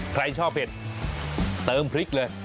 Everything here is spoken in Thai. ใครชอบเผ็ดเติมพริกเลย